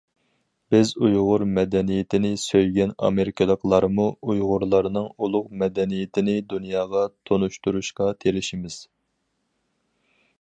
بىز ئۇيغۇر مەدەنىيىتىنى سۆيگەن ئامېرىكىلىقلارمۇ ئۇيغۇرلارنىڭ ئۇلۇغ مەدەنىيىتىنى دۇنياغا تونۇشتۇرۇشقا تىرىشىمىز.